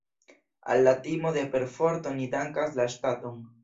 Al la timo de perforto ni dankas la ŝtaton.